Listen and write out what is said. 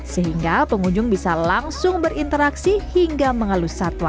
sehingga pengunjung bisa langsung berinteraksi hingga mengelus satwa